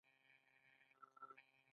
د مکتوب محتویات ځینې برخې لري.